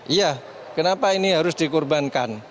iya kenapa ini harus dikorbankan